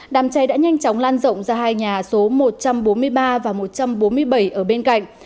đám cháy đã nhanh chóng lan rộng ra hai nhà số một trăm bốn mươi ba và một trăm bốn mươi bảy ở bên cạnh